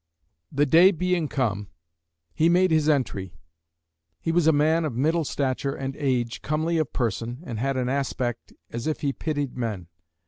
The day being come, he made his entry. He was a man of middle stature and age, comely of person, and had an aspect as if he pitied men.